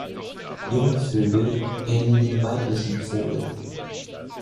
Jungvögel ähneln dem weiblichen Vogel.